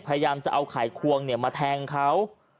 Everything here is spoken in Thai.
พยายามจะเอาไขควงมาแทงเขา